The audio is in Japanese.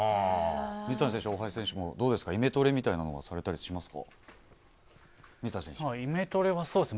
水谷選手、大橋選手もどうですかイメトレみたいなものはイメトレはそうですね